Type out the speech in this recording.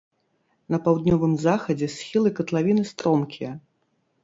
На паўднёвым захадзе схілы катлавіны стромкія.